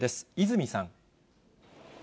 泉さん。